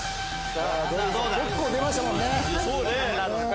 結構出ましたもんね。